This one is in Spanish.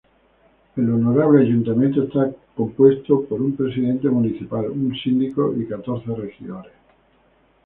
El Honorable Ayuntamiento está compuesto por: un Presidente Municipal, un Síndico, y catorce Regidores.